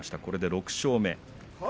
これで６勝目。